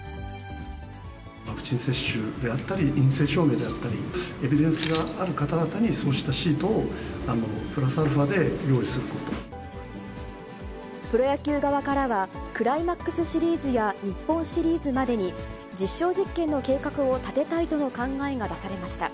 ワクチン接種であったり、陰性証明であったり、エビデンスがある方々に、そうしたシートを、プロ野球側からは、クライマックスシリーズや日本シリーズまでに、実証実験の計画を立てたいとの考えが出されました。